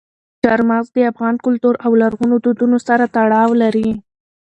چار مغز د افغان کلتور او لرغونو دودونو سره تړاو لري.